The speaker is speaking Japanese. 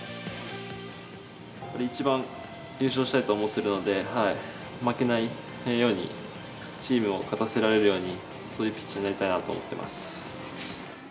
一番優勝したいと思っているので、負けないように、チームを勝たせられるように、そういうピッチャーになりたいなと思っています。